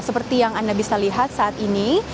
seperti yang anda bisa lihat saat ini